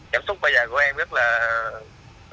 cảm xúc bây giờ của em rất là